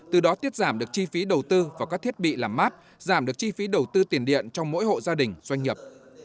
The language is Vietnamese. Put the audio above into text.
từ đó tiết giảm được chi phí đầu tư vào các thiết bị làm mát giảm được chi phí đầu tư tiền điện trong mỗi hộ gia đình doanh nghiệp